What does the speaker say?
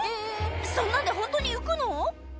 そんなんでホントに浮くの？